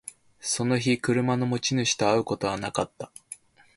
その日、車の持ち主と会うことはなかった